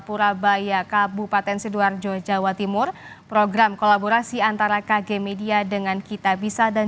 purabaya kabupaten sidoarjo jawa timur program kolaborasi antara kg media dengan kitabisa dan